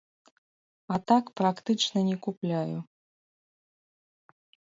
А так практычна не купляю.